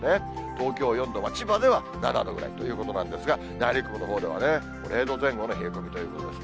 東京４度、千葉では７度ぐらいということなんですが、内陸部のほうでは０度前後の冷え込みということです。